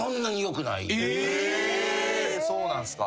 へぇそうなんすか。